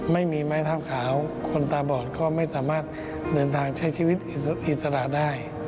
ไม่มีไม้เท้าขาวคนตาบอดก็ไม่สามารถเดินทางใช้ชีวิตอิสระได้